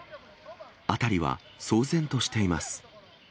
辺りは騒然としています。